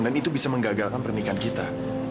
dan itu bisa menggagalkan pernikahan kita